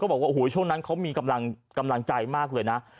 บอกว่าโอ้โหช่วงนั้นเขามีกำลังใจมากเลยนะ